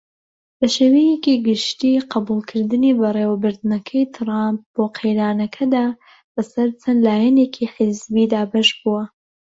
بەشێوەیەکی گشتی قبوڵکردنی بەڕێوبردنەکەی تڕامپ بۆ قەیرانەکەدا بە سەر چەند لایەنێکی حزبی دابەش بووە.